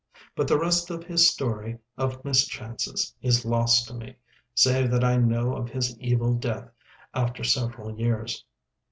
But the rest of his story of mischances is lost to me, save that I know of his evil death after several years.